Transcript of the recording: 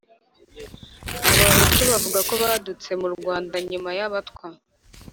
abahutu bavuga ko badutse mu rwanda hanyuma y’abatwa,